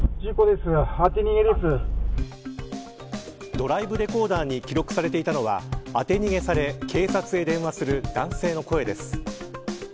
ドライブレコーダーに記録されていたのは当て逃げされ、警察へ電話する男性の声です。